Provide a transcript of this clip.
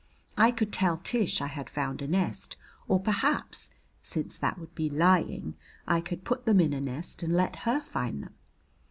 I could tell Tish I had found a nest, or perhaps, since that would be lying, I could put them in a nest and let her find them.